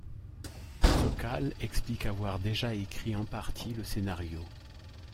Sokal explique avoir déjà écrit en partie le scénario.